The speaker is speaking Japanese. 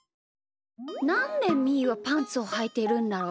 なんでみーはパンツをはいてるんだろう？